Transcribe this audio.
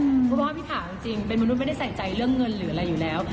เพราะว่าพี่ถามจริงเป็นมนุษย์ไม่ได้ใส่ใจเรื่องเงินหรืออะไรอยู่แล้ว